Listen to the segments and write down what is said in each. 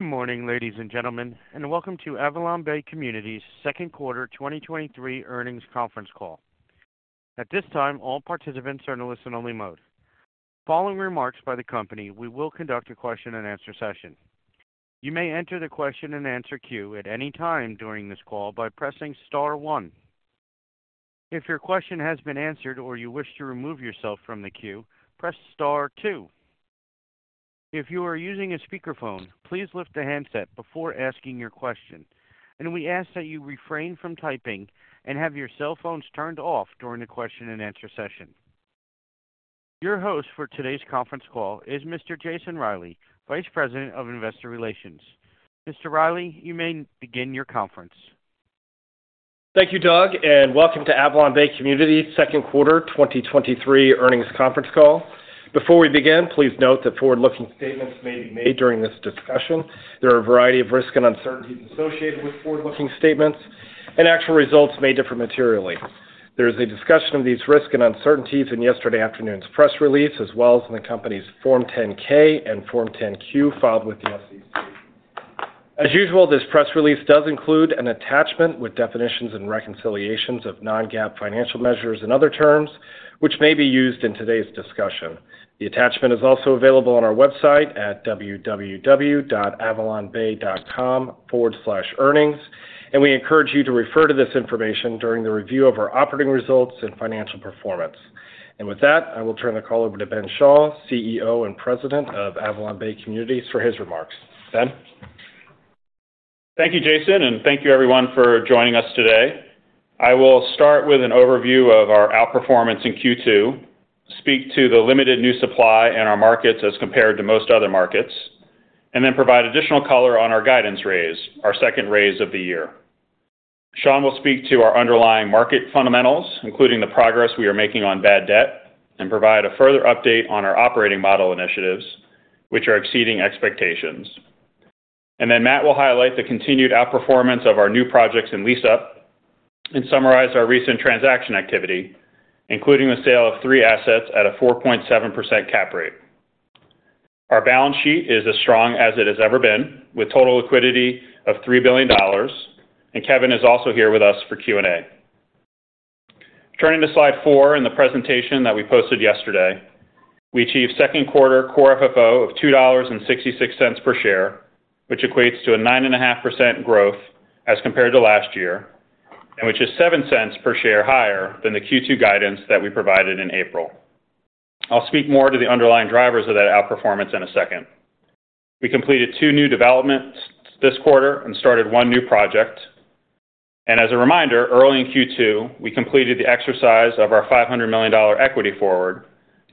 Good morning, ladies and gentlemen, and welcome to AvalonBay Communities' second quarter 2023 earnings conference call. At this time, all participants are in a listen-only mode. Following remarks by the company, we will conduct a question-and-answer session. You may enter the question-and-answer queue at any time during this call by pressing star 1. If your question has been answered or you wish to remove yourself from the queue, press star 2. If you are using a speakerphone, please lift the handset before asking your question, and we ask that you refrain from typing and have your cell phones turned off during the question-and-answer session. Your host for today's conference call is Mr. Jason Reilley, Vice President of Investor Relations. Mr. Reilley, you may begin your conference. Thank you, Doug, and welcome to AvalonBay Communities' second quarter 2023 earnings conference call. Before we begin, please note that forward-looking statements may be made during this discussion. There are a variety of risks and uncertainties associated with forward-looking statements, and actual results may differ materially. There is a discussion of these risks and uncertainties in yesterday afternoon's press release, as well as in the company's Form 10-K and Form 10-Q filed with the SEC. As usual, this press release does include an attachment with definitions and reconciliations of non-GAAP financial measures and other terms which may be used in today's discussion. The attachment is also available on our website at www.avalonbay.com/earnings, and we encourage you to refer to this information during the review of our operating results and financial performance. With that, I will turn the call over to Ben Schall, CEO and President of AvalonBay Communities, for his remarks. Ben? Thank you, Jason. Thank you everyone for joining us today. I will start with an overview of our outperformance in Q2, speak to the limited new supply in our markets as compared to most other markets, and then provide additional color on our guidance raise, our second raise of the year. Sean will speak to our underlying market fundamentals, including the progress we are making on bad debt, and provide a further update on our operating model initiatives, which are exceeding expectations. Then Matt will highlight the continued outperformance of our new projects in lease up and summarize our recent transaction activity, including the sale of three assets at a 4.7% cap rate. Our balance sheet is as strong as it has ever been, with total liquidity of $3 billion, and Kevin is also here with us for Q&A. Turning to slide four in the presentation that we posted yesterday, we achieved second quarter core FFO of $2.66 per share, which equates to a 9.5% growth as compared to last year, and which is $0.07 per share higher than the Q2 guidance that we provided in April. I'll speak more to the underlying drivers of that outperformance in a second. We completed two new developments this quarter and started one new project. As a reminder, early in Q2, we completed the exercise of our $500 million equity forward,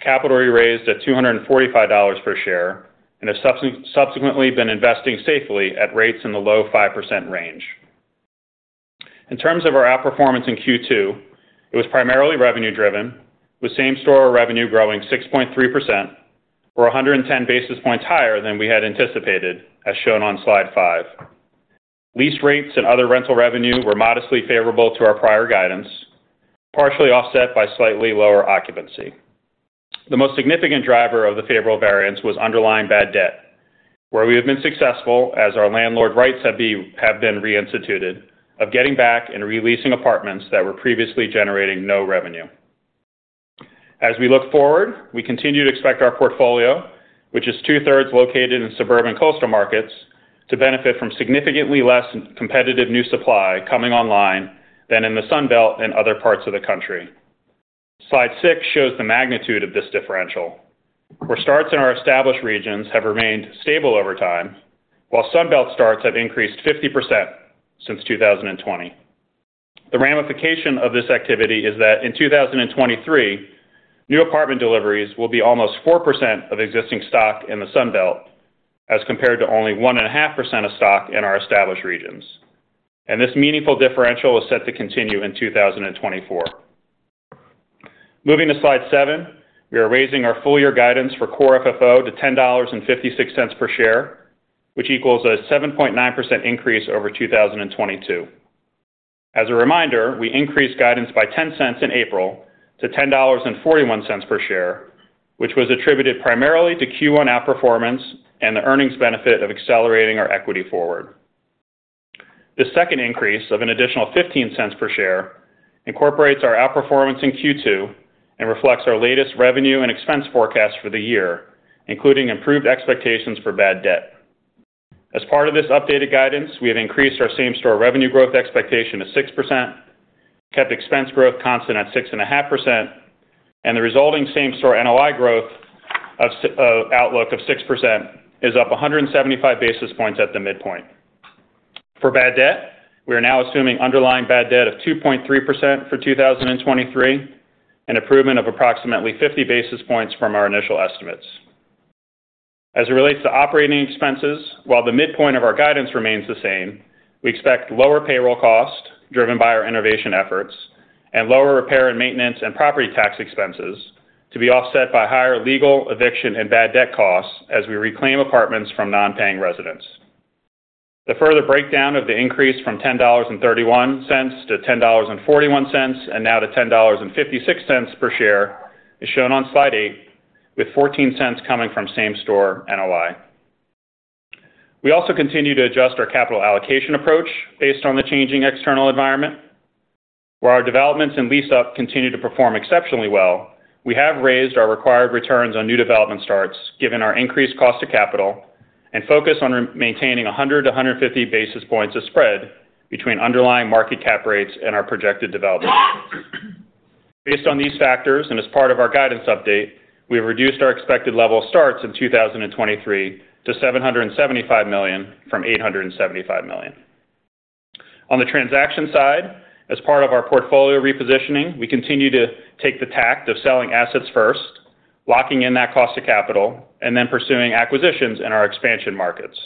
capital we raised at $245 per share, and have subsequently been investing safely at rates in the low 5% range. In terms of our outperformance in Q2, it was primarily revenue-driven, with same-store revenue growing 6.3%, or 110 basis points higher than we had anticipated, as shown on slide five. Lease rates and other rental revenue were modestly favorable to our prior guidance, partially offset by slightly lower occupancy. The most significant driver of the favorable variance was underlying bad debt, where we have been successful, as our landlord rights have been reinstituted, of getting back and releasing apartments that were previously generating no revenue. As we look forward, we continue to expect our portfolio, which is two-thirds located in suburban coastal markets, to benefit from significantly less competitive new supply coming online than in the Sun Belt and other parts of the country. Slide six shows the magnitude of this differential, where starts in our established regions have remained stable over time, while Sun Belt starts have increased 50% since 2020. The ramification of this activity is that in 2023, new apartment deliveries will be almost 4% of existing stock in the Sun Belt, as compared to only 1.5% of stock in our established regions. This meaningful differential is set to continue in 2024. Moving to slide seven, we are raising our full-year guidance for core FFO to $10.56 per share, which equals a 7.9% increase over 2022. As a reminder, we increased guidance by $0.10 in April to $10.41 per share, which was attributed primarily to Q1 outperformance and the earnings benefit of accelerating our equity forward. The second increase of an additional $0.15 per share incorporates our outperformance in Q2 and reflects our latest revenue and expense forecast for the year, including improved expectations for bad debt. As part of this updated guidance, we have increased our same-store revenue growth expectation to 6%, kept expense growth constant at 6.5%, and the resulting same-store NOI growth outlook of 6% is up 175 basis points at the midpoint. For bad debt, we are now assuming underlying bad debt of 2.3% for 2023, an improvement of approximately 50 basis points from our initial estimates. As it relates to operating expenses, while the midpoint of our guidance remains the same, we expect lower payroll costs driven by our innovation efforts and lower repair and maintenance and property tax expenses to be offset by higher legal, eviction, and bad debt costs as we reclaim apartments from non-paying residents. The further breakdown of the increase from $10.31 to $10.41, and now to $10.56 per share, is shown on slide eight, with $0.14 coming from same-store NOI. We also continue to adjust our capital allocation approach based on the changing external environment. Where our developments and lease-up continue to perform exceptionally well, we have raised our required returns on new development starts, given our increased cost of capital and focus on maintaining 100 to 150 basis points of spread between underlying market cap rates and our projected development. Based on these factors, as part of our guidance update, we have reduced our expected level of starts in 2023 to $775 million from $875 million. On the transaction side, as part of our portfolio repositioning, we continue to take the tact of selling assets first, locking in that cost of capital, and then pursuing acquisitions in our expansion markets.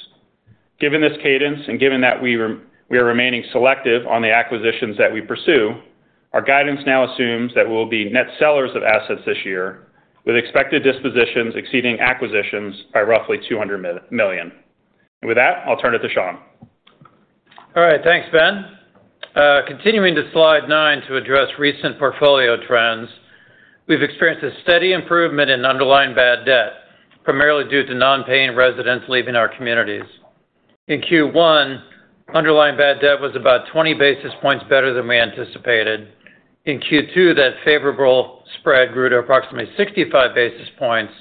Given this cadence, and given that we are remaining selective on the acquisitions that we pursue, our guidance now assumes that we'll be net sellers of assets this year, with expected dispositions exceeding acquisitions by roughly $200 million. With that, I'll turn it to Sean. All right, thanks, Ben. Continuing to slide nine to address recent portfolio trends, we've experienced a steady improvement in underlying bad debt, primarily due to non-paying residents leaving our communities. In Q1, underlying bad debt was about 20 basis points better than we anticipated. In Q2, that favorable spread grew to approximately 65 basis points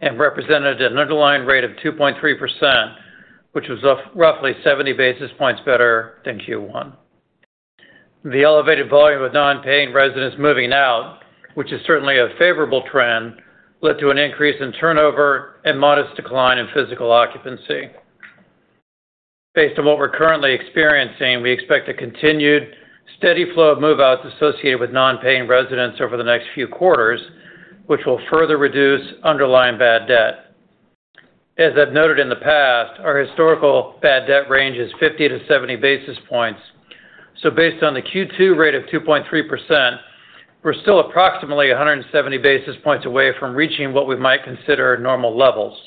and represented an underlying rate of 2.3%, which was of roughly 70 basis points better than Q1. The elevated volume of non-paying residents moving out, which is certainly a favorable trend, led to an increase in turnover and modest decline in physical occupancy. Based on what we're currently experiencing, we expect a continued steady flow of move-outs associated with non-paying residents over the next few quarters, which will further reduce underlying bad debt. As I've noted in the past, our historical bad debt range is 50-70 basis points. Based on the Q2 rate of 2.3%, we're still approximately 170 basis points away from reaching what we might consider normal levels,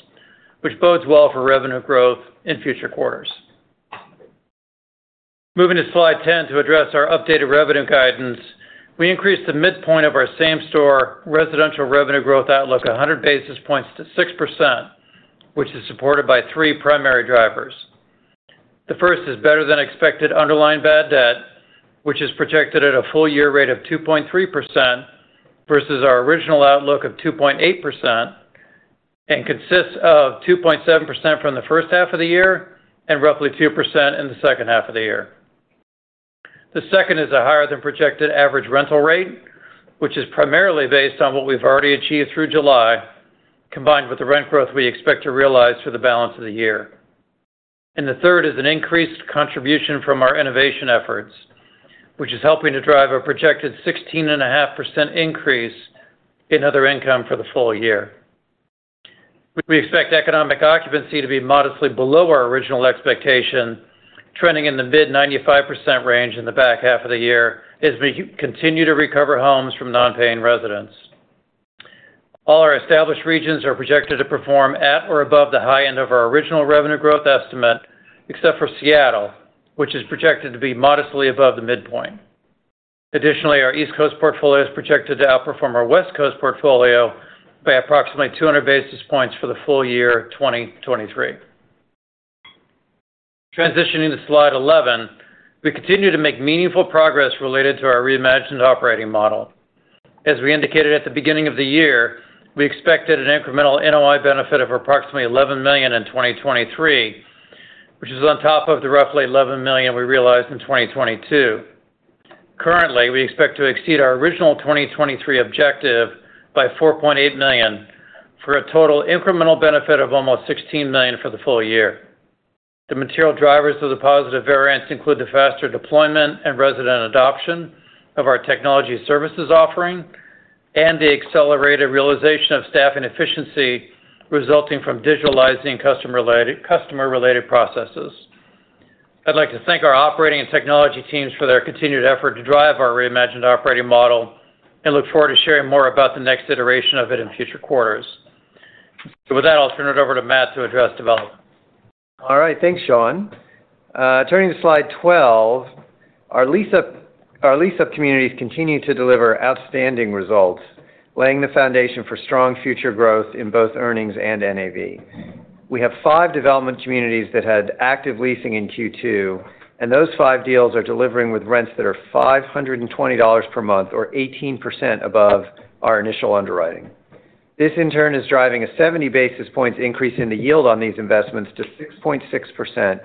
which bodes well for revenue growth in future quarters. Moving to slide 10 to address our updated revenue guidance, we increased the midpoint of our same-store residential revenue growth outlook 100 basis points to 6%, which is supported by three primary drivers. The first is better than expected underlying bad debt, which is projected at a full year rate of 2.3% versus our original outlook of 2.8%, and consists of 2.7% from the first half of the year and roughly 2% in the second half of the year. The second is a higher than projected average rental rate, which is primarily based on what we've already achieved through July, combined with the rent growth we expect to realize for the balance of the year. The third is an increased contribution from our innovation efforts, which is helping to drive a projected 16.5% increase in other income for the full year. We expect economic occupancy to be modestly below our original expectation, trending in the mid 95% range in the back half of the year, as we continue to recover homes from non-paying residents. All our established regions are projected to perform at or above the high end of our original revenue growth estimate, except for Seattle, which is projected to be modestly above the midpoint. Our East Coast portfolio is projected to outperform our West Coast portfolio by approximately 200 basis points for the full year 2023. Transitioning to slide 11, we continue to make meaningful progress related to our reimagined operating model. As we indicated at the beginning of the year, we expected an incremental NOI benefit of approximately $11 million in 2023, which is on top of the roughly $11 million we realized in 2022. Currently, we expect to exceed our original 2023 objective by $4.8 million, for a total incremental benefit of almost $16 million for the full year. The material drivers of the positive variance include the faster deployment and resident adoption of our technology services offering, and the accelerated realization of staffing efficiency resulting from digitalizing customer-related, customer-related processes. I'd like to thank our operating and technology teams for their continued effort to drive our reimagined operating model, and look forward to sharing more about the next iteration of it in future quarters. With that, I'll turn it over to Matt to address development. All right. Thanks, Sean. Turning to slide 12, our lease-up, our lease-up communities continue to deliver outstanding results, laying the foundation for strong future growth in both earnings and NAV. We have 5 development communities that had active leasing in Q2. Those 5 deals are delivering with rents that are $520 per month or 18% above our initial underwriting. This, in turn, is driving a 70 basis points increase in the yield on these investments to 6.6%,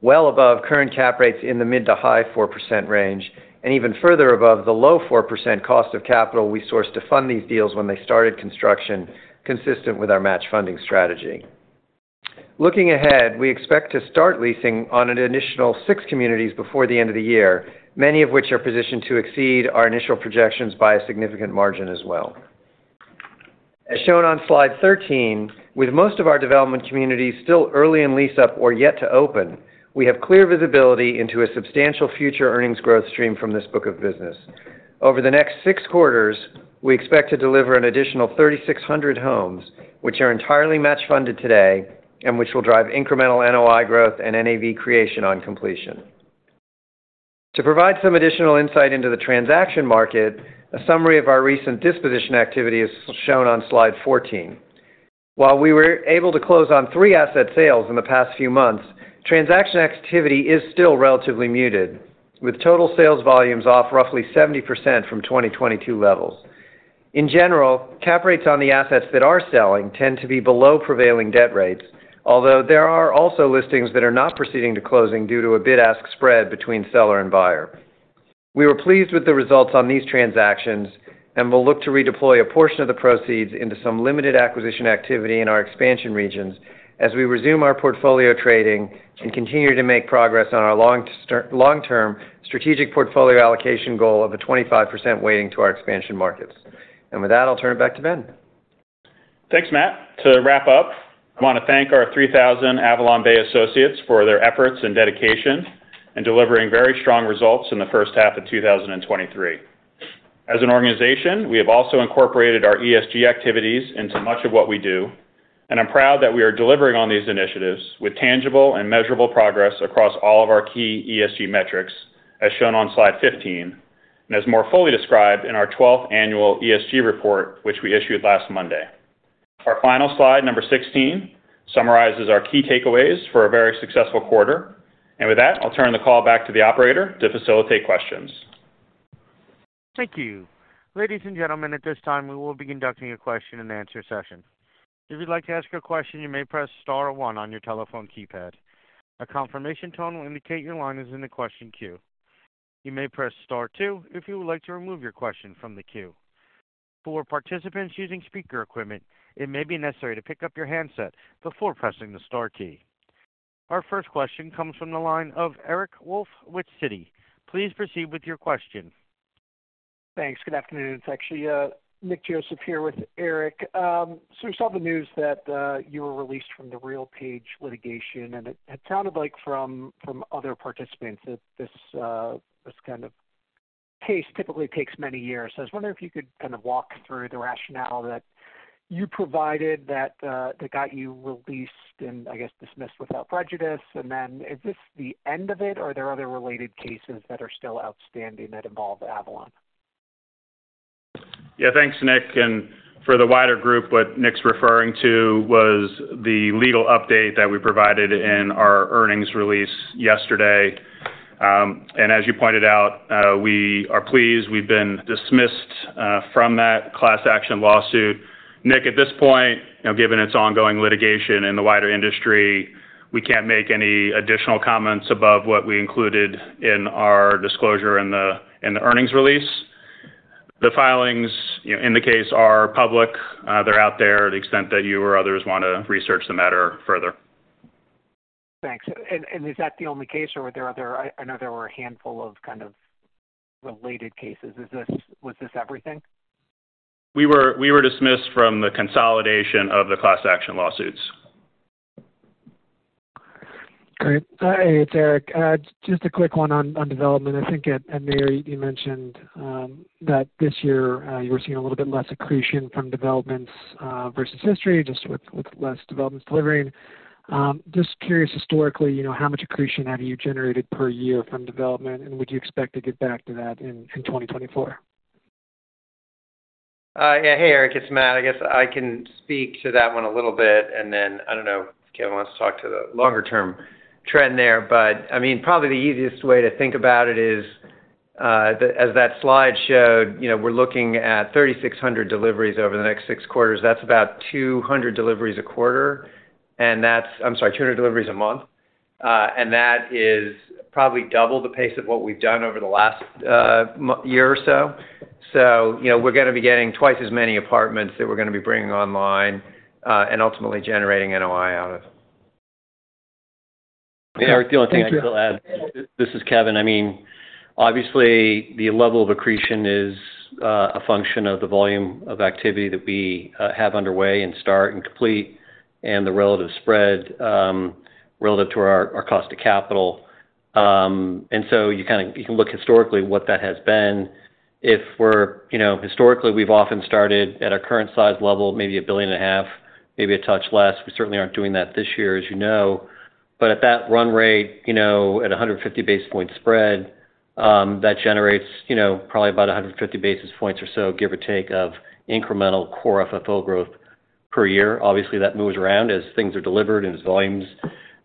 well above current cap rates in the mid-to-high 4% range, and even further above the low 4% cost of capital we sourced to fund these deals when they started construction, consistent with our match funding strategy. Looking ahead, we expect to start leasing on an additional six communities before the end of the year, many of which are positioned to exceed our initial projections by a significant margin as well. As shown on slide 13, with most of our development communities still early in lease-up or yet to open, we have clear visibility into a substantial future earnings growth stream from this book of business. Over the next six quarters, we expect to deliver an additional 3,600 homes, which are entirely match funded today and which will drive incremental NOI growth and NAV creation on completion. To provide some additional insight into the transaction market, a summary of our recent disposition activity is shown on slide 14. While we were able to close on three asset sales in the past few months, transaction activity is still relatively muted, with total sales volumes off roughly 70% from 2022 levels. In general, cap rates on the assets that are selling tend to be below prevailing debt rates, although there are also listings that are not proceeding to closing due to a bid-ask spread between seller and buyer. We were pleased with the results on these transactions, and we'll look to redeploy a portion of the proceeds into some limited acquisition activity in our expansion regions as we resume our portfolio trading and continue to make progress on our long-term strategic portfolio allocation goal of a 25% weighting to our expansion markets. With that, I'll turn it back to Ben. Thanks, Matt. To wrap up, I want to thank our 3,000 AvalonBay associates for their efforts and dedication in delivering very strong results in the first half of 2023. As an organization, we have also incorporated our ESG activities into much of what we do, and I'm proud that we are delivering on these initiatives with tangible and measurable progress across all of our key ESG metrics, as shown on slide 15, and as more fully described in our 12th annual ESG report, which we issued last Monday. Our final slide, number 16, summarizes our key takeaways for a very successful quarter. With that, I'll turn the call back to the operator to facilitate questions. Thank you. Ladies and gentlemen, at this time, we will be conducting a question-and-answer session. If you'd like to ask a question, you may press star one on your telephone keypad. A confirmation tone will indicate your line is in the question queue. You may press star two if you would like to remove your question from the queue. For participants using speaker equipment, it may be necessary to pick up your handset before pressing the star key. Our first question comes from the line of Eric Wolfe with Citi. Please proceed with your question. Thanks. Good afternoon. It's actually, Nick Joseph here with Eric. We saw the news that you were released from the RealPage litigation, and it had sounded like from, from other participants, that this, this kind of case typically takes many years. I was wondering if you could kind of walk through the rationale that you provided that got you released and, I guess, dismissed without prejudice. Is this the end of it, or are there other related cases that are still outstanding that involve Avalon? Yeah, thanks, Nick. For the wider group, what Nick's referring to was the legal update that we provided in our earnings release yesterday. As you pointed out, we are pleased. We've been dismissed from that class action lawsuit. Nick, at this point, you know, given its ongoing litigation in the wider industry, we can't make any additional comments above what we included in our disclosure in the earnings release. The filings, you know, in the case are public. They're out there to the extent that you or others want to research the matter further. Thanks. Is that the only case or were there other? I know there were a handful of kind of related cases. Is this? Was this everything? We were dismissed from the consolidation of the class action lawsuits. Great. Hey, it's Eric. Just a quick one on, on development. I think at, at NAREIT, you mentioned that this year, you were seeing a little bit less accretion from developments versus history, just with, with less developments delivering. Just curious, historically, you know, how much accretion have you generated per year from development, and would you expect to get back to that in 2024? Yeah. Hey, Eric, it's Matt. I guess I can speak to that one a little bit, and then, I don't know if Kevin wants to talk to the longer-term trend there. I mean, probably the easiest way to think about it is, as that slide showed, you know, we're looking at 3,600 deliveries over the next 6 quarters. That's about 200 deliveries a quarter, and that's... I'm sorry, 200 deliveries a month. And that is probably double the pace of what we've done over the last year or so. You know, we're gonna be getting twice as many apartments that we're gonna be bringing online, and ultimately generating NOI out of. Eric, the only thing I'd add, this is Kevin. I mean, obviously, the level of accretion is a function of the volume of activity that we have underway and start and complete, and the relative spread, relative to our, our cost of capital. You can look historically what that has been. You know, historically, we've often started at our current size level, maybe $1.5 billion, maybe a touch less. We certainly aren't doing that this year, as you know. At that run rate, you know, at a 150 basis point spread, that generates, you know, probably about 150 basis points or so, give or take, of incremental core FFO growth per year. That moves around as things are delivered and as volumes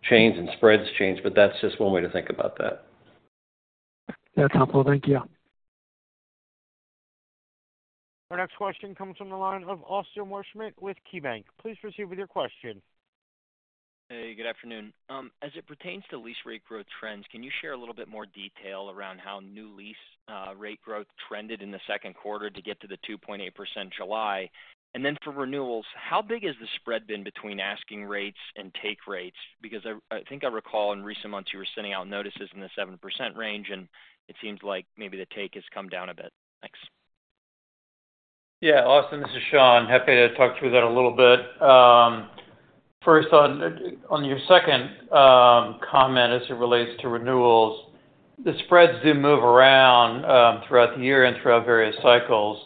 change and spreads change, but that's just one way to think about that. That's helpful. Thank you. Our next question comes from the line of Austin Wurschmidt with KeyBanc. Please proceed with your question. Hey, good afternoon. As it pertains to lease rate growth trends, can you share a little bit more detail around how new lease rate growth trended in the second quarter to get to the 2.8% July? Then for renewals, how big has the spread been between asking rates and take rates? Because I, I think I recall in recent months you were sending out notices in the 7% range, and it seems like maybe the take has come down a bit. Thanks. Yeah, Austin, this is Sean. Happy to talk through that a little bit. First on, on your second, comment as it relates to renewals, the spreads do move around throughout the year and throughout various cycles.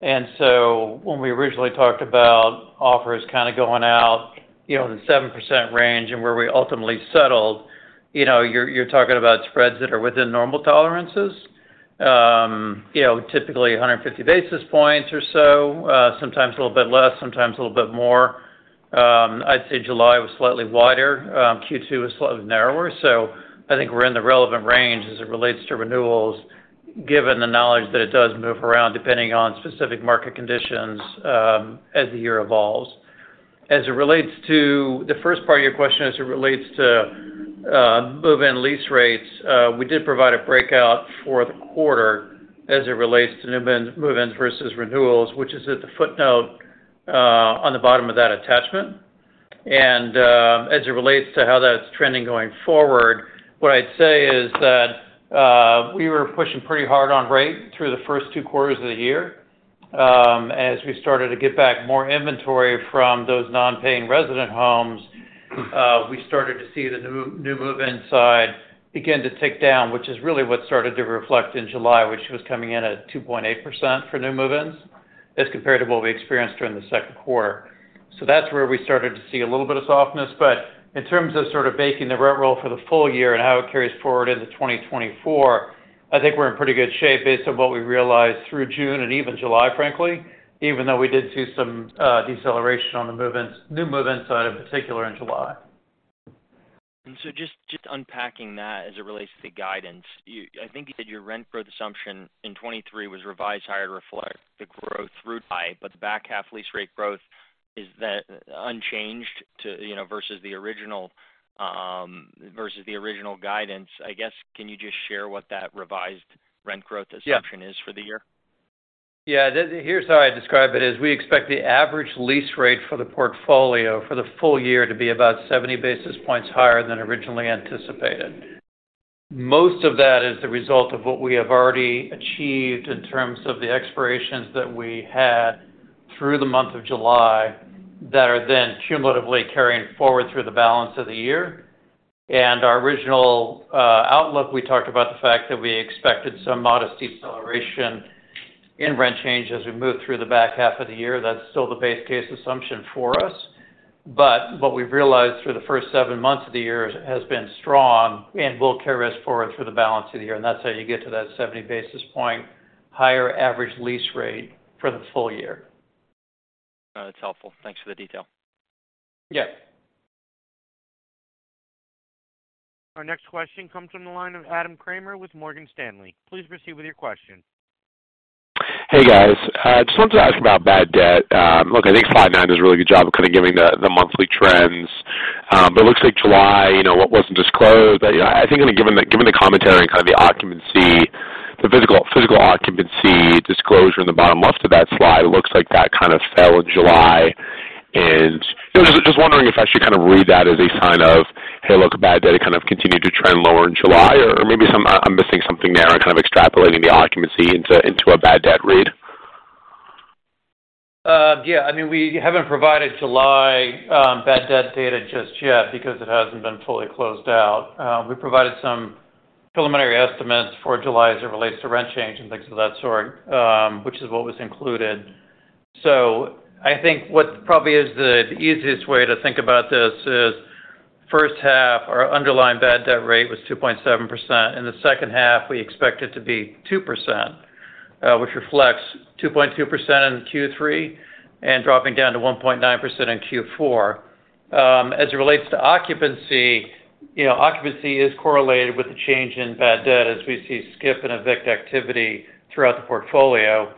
When we originally talked about offers kind of going out, you know, in the 7% range and where we ultimately settled, you know, you're, you're talking about spreads that are within normal tolerances. You know, typically 150 basis points or so, sometimes a little bit less, sometimes a little bit more. I'd say July was slightly wider. Q2 was slightly narrower. I think we're in the relevant range as it relates to renewals, given the knowledge that it does move around depending on specific market conditions, as the year evolves. As it relates to the first part of your question, as it relates to move-in lease rates, we did provide a breakout for the quarter as it relates to new move-ins versus renewals, which is at the footnote on the bottom of that attachment. As it relates to how that's trending going forward, what I'd say is that we were pushing pretty hard on rate through the first two quarters of the year. As we started to get back more inventory from those non-paying resident homes, we started to see the new, new move-in side begin to tick down, which is really what started to reflect in July, which was coming in at 2.8% for new move-ins, as compared to what we experienced during the second quarter. That's where we started to see a little bit of softness. In terms of sort of baking the rent roll for the full year and how it carries forward into 2024, I think we're in pretty good shape based on what we realized through June and even July, frankly, even though we did see some deceleration on the move-ins, new move-in side, in particular in July. So just, just unpacking that as it relates to guidance. I think you said your rent growth assumption in 2023 was revised higher to reflect the growth through high, but the back half lease rate growth, is that unchanged to, you know, versus the original versus the original guidance? I guess, can you just share what that revised rent growth assumption is- Yeah. for the year? Yeah, here's how I'd describe it, is we expect the average lease rate for the portfolio for the full year to be about 70 basis points higher than originally anticipated. Most of that is the result of what we have already achieved in terms of the expirations that we had through the month of July, that are then cumulatively carrying forward through the balance of the year. Our original outlook, we talked about the fact that we expected some modest deceleration in rent change as we moved through the back half of the year. That's still the base case assumption for us. What we've realized through the first 7 months of the year has been strong and will carry us forward through the balance of the year. That's how you get to that 70 basis point higher average lease rate for the full year. That's helpful. Thanks for the detail. Yeah. Our next question comes from the line of Adam Kramer with Morgan Stanley. Please proceed with your question. Hey, guys. Just wanted to ask about bad debt. Look, I think slide nine does a really good job of kind of giving the, the monthly trends. But it looks like July, you know, what wasn't disclosed, I, I think, given the, given the commentary and kind of the occupancy, the physical, physical occupancy disclosure in the bottom left of that slide, it looks like that kind of fell in July. You know, just, just wondering if I should kind of read that as a sign of, hey, look, bad debt kind of continued to trend lower in July, or maybe I'm missing something there and kind of extrapolating the occupancy into, into a bad debt read? Yeah, I mean, we haven't provided July bad debt data just yet because it hasn't been fully closed out. We provided some preliminary estimates for July as it relates to rent change and things of that sort, which is what was included. I think what probably is the easiest way to think about this is, first half, our underlying bad debt rate was 2.7%. In the second half, we expect it to be 2%, which reflects 2.2% in Q3 and dropping down to 1.9% in Q4. As it relates to occupancy, you know, occupancy is correlated with the change in bad debt as we see skips and evicts activity throughout the portfolio.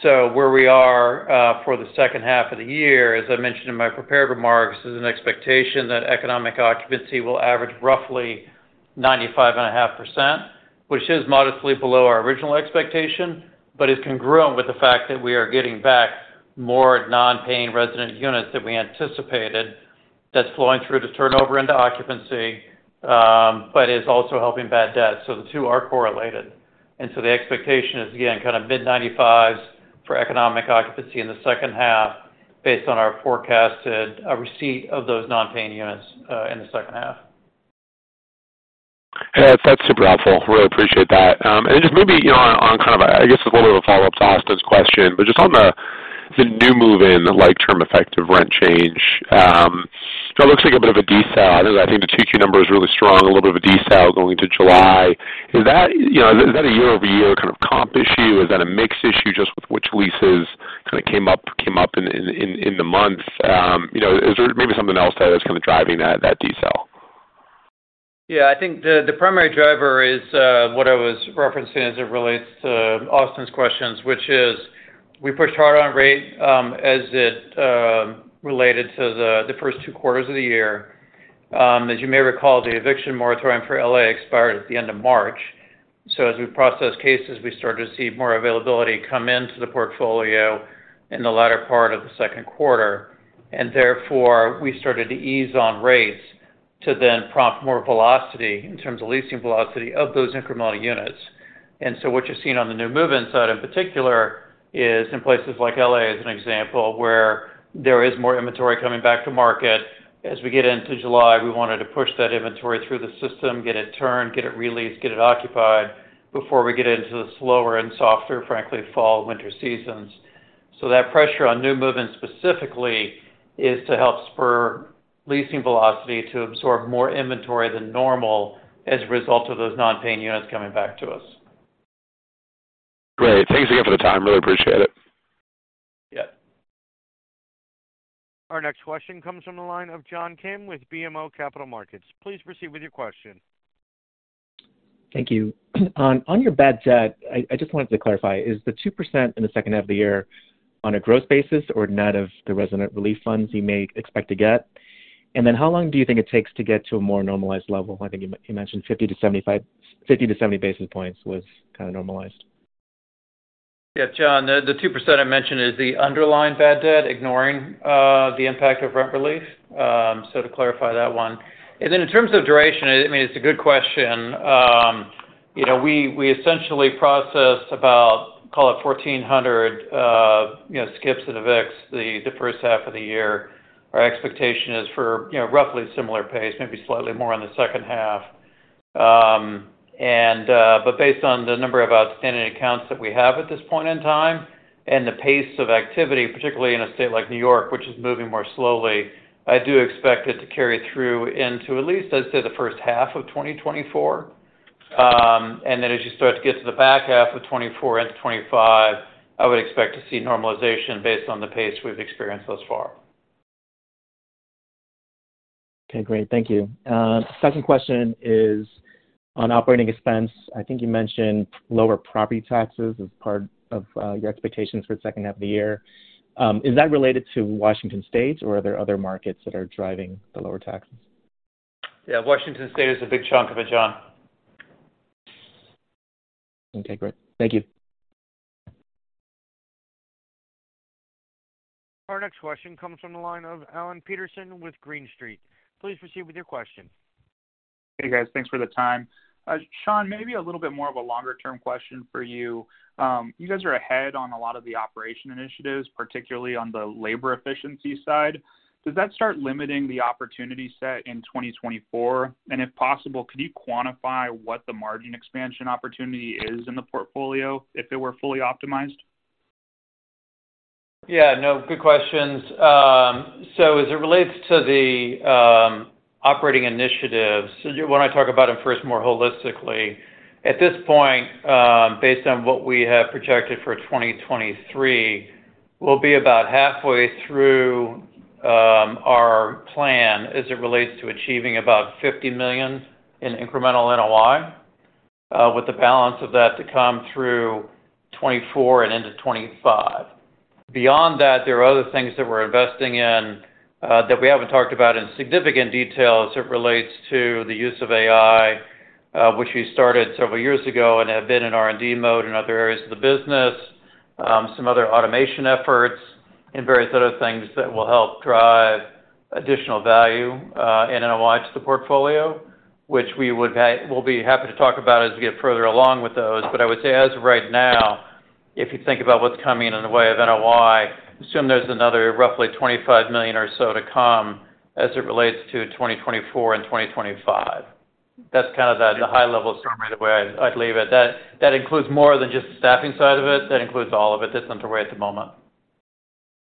Where we are, for the second half of the year, as I mentioned in my prepared remarks, is an expectation that economic occupancy will average roughly 95.5%, which is modestly below our original expectation, but is congruent with the fact that we are getting back more non-paying resident units than we anticipated. That's flowing through to turnover into occupancy, but is also helping bad debt. The two are correlated. The expectation is, again, kind of mid-95s for economic occupancy in the second half, based on our forecasted, receipt of those non-paying units, in the second half. Hey, that's super helpful. Really appreciate that. Just maybe, you know, on, kind of, I guess, a little bit of a follow-up to Austin's question, but just on the, the new move-in, the like term effective rent change. It looks like a bit of a detail. I think the Q2 number is really strong, a little bit of a detail going to July. Is that, you know, is that a year-over-year kind of comp issue? Is that a mix issue just with which leases kind of came up, came up in, in, in, in the month? You know, is there maybe something else that is kind of driving that, that detail? Yeah, I think the, the primary driver is what I was referencing as it relates to Austin's questions, which is we pushed hard on rate as it related to the first two quarters of the year. As you may recall, the eviction moratorium for L.A. expired at the end of March. As we process cases, we start to see more availability come into the portfolio in the latter part of the second quarter, and therefore, we started to ease on rates to then prompt more velocity in terms of leasing velocity of those incremental units. What you're seeing on the new move-in side in particular is in places like L.A., as an example, where there is more inventory coming back to market. As we get into July, we wanted to push that inventory through the system, get it turned, get it re-leased, get it occupied before we get into the slower and softer, frankly, fall, winter seasons. That pressure on new move-ins specifically, is to help spur leasing velocity to absorb more inventory than normal as a result of those non-paying units coming back to us. Great. Thanks again for the time. Really appreciate it. Yeah. Our next question comes from the line of John Kim with BMO Capital Markets. Please proceed with your question. Thank you. On, on your bad debt, I, I just wanted to clarify, is the 2% in the second half of the year on a gross basis or net of the resident relief funds you may expect to get? How long do you think it takes to get to a more normalized level? I think you, you mentioned 50-70 basis points was kind of normalized. Yeah, John, the, the 2% I mentioned is the underlying bad debt, ignoring the impact of rent relief, so to clarify that one. Then in terms of duration, I mean, it's a good question. You know, we, we essentially processed about, call it 1,400, you know, skips and evicts the, the first half of the year. Our expectation is for, you know, roughly similar pace, maybe slightly more on the second half. Based on the number of outstanding accounts that we have at this point in time and the pace of activity, particularly in a state like New York, which is moving more slowly, I do expect it to carry through into at least, I'd say, the first half of 2024. Then as you start to get to the back half of 2024 into 2025, I would expect to see normalization based on the pace we've experienced thus far. Okay, great. Thank you. Second question is on operating expense. I think you mentioned lower property taxes as part of your expectations for the second half of the year. Is that related to Washington State, or are there other markets that are driving the lower taxes? Yeah, Washington State is a big chunk of it, John. Okay, great. Thank you. Our next question comes from the line of Alan Peterson with Green Street. Please proceed with your question. Hey, guys. Thanks for the time. Sean, maybe a little bit more of a longer-term question for you. You guys are ahead on a lot of the operation initiatives, particularly on the labor efficiency side. Does that start limiting the opportunity set in 2024? If possible, could you quantify what the margin expansion opportunity is in the portfolio if it were fully optimized? Yeah, no, good questions. As it relates to the operating initiatives, so you when I talk about them first more holistically, at this point, based on what we have projected for 2023, we'll be about halfway through our plan as it relates to achieving about $50 million in incremental NOI, with the balance of that to come through 2024 and into 2025. Beyond that, there are other things that we're investing in, that we haven't talked about in significant detail as it relates to the use of AI, which we started several years ago and have been in R&D mode in other areas of the business, some other automation efforts and various other things that will help drive additional value, in NOI to the portfolio, which we would we'll be happy to talk about as we get further along with those. I would say as of right now, if you think about what's coming in the way of NOI, assume there's another roughly $25 million or so to come as it relates to 2024 and 2025. That's kind of the, the high-level summary the way I'd leave it. That, that includes more than just the staffing side of it. That includes all of it that's underway at the moment.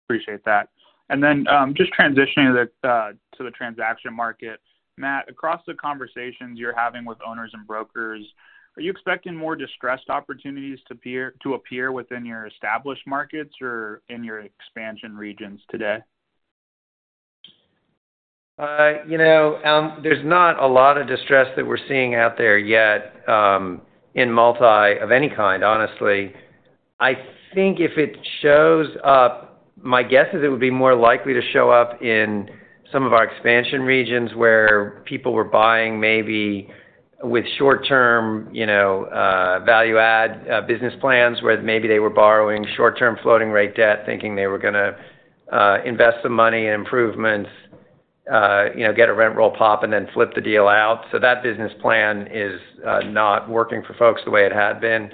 Appreciate that. Then, just transitioning to the transaction market. Matt, across the conversations you're having with owners and brokers, are you expecting more distressed opportunities to appear within your established markets or in your expansion regions today? You know, there's not a lot of distress that we're seeing out there yet, in multi of any kind, honestly. I think if it shows up, my guess is it would be more likely to show up in some of our expansion regions, where people were buying maybe with short-term, you know, value-add business plans, where maybe they were borrowing short-term floating rate debt, thinking they were gonna invest some money in improvements, you know, get a rent roll pop and then flip the deal out. That business plan is not working for folks the way it had been.